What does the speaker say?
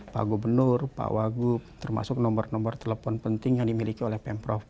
pak gubernur pak wagub termasuk nomor nomor telepon penting yang dimiliki oleh pemprov